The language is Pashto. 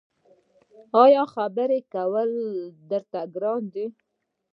ایا خبرې کول درته ګران دي؟